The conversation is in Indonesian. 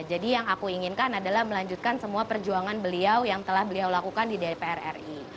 jadi yang aku inginkan adalah melanjutkan semua perjuangan beliau yang telah beliau lakukan di dpr ri